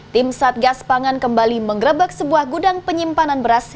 tim satgas pangan kembali mengerebek sebuah gudang penyimpanan beras